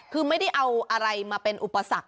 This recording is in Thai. คือไม่ได้เอาอะไรมาเป็นอุปสรรค